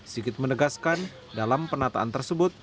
sigit menegaskan dalam penataan tersebut